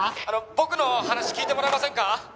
「僕の話聞いてもらえませんか？」